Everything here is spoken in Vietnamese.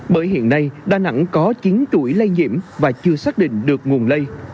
bởi hiện nay đà nẵng có chín chuỗi lây nhiễm và chưa xác định được nguồn lây